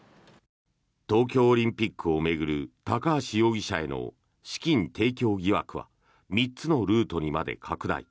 東京オリンピックを巡る高橋容疑者への資金提供疑惑は３つのルートにまで拡大。